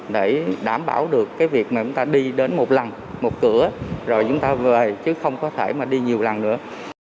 để đảm bảo được cái việc mà chúng ta đi đến một lần một cửa rồi chúng ta về chứ không có thể mà đi nhiều lần nữa